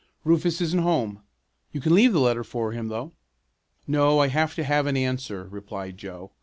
"Rufus isn't home. You can leave the letter for him, though." "No, I have to have an answer," replied Joe.